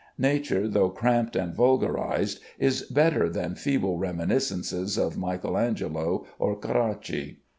Nature, though cramped and vulgarized, is better than feeble reminiscences of Michael Angelo or Carracci.